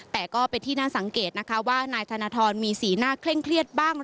แต่ก็เป็นที่น่าสังเกตนะคะว่านายธนทรมีสีหน้าเคร่งเครียดบ้าง